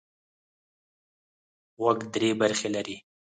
غوږ درې برخې لري.